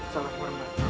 salam puan mbak